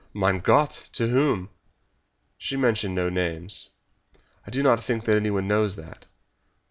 "Mein Gott! To whom?" "She mentioned no names." "I do not think that anyone knows that.